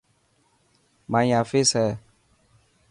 مائي آفيس هي.